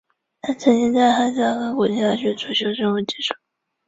他曾在哈萨克国立大学主修生物技术。